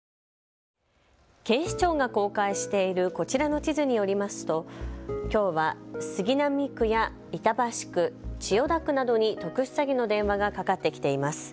警視庁が公開しているこちらの地図によりますときょうは杉並区や板橋区、千代田区などに特殊詐欺の電話がかかってきています。